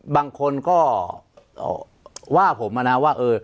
บางคนก็ว่าผมนะว่า